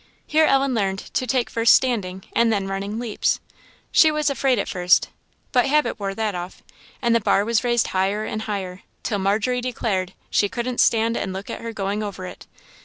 Here Ellen learned to take first standing, and then running leaps. She was afraid at first, but habit wore that off; and the bar was raised higher and higher, till Margery declared she "couldn't stand and look at her going over it."